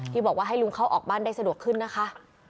บอกว่าให้ลุงเข้าออกบ้านได้สะดวกขึ้นนะคะ